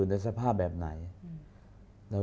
อเรนนี่แหละอเรนนี่แหละ